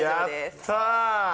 やったー。